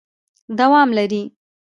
دوام لري ...